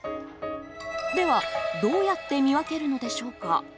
では、どうやって見分けるのでしょうか。